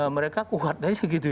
mereka kuhat aja gitu ya